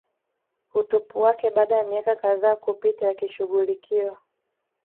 utupu wake baada ya miaka kadhaa kupita yakishughulikiwa